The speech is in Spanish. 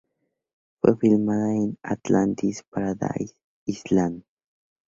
Fue filmada en Atlantis Paradise Island.